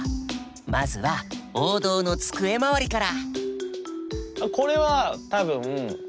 まずは王道の机周りから！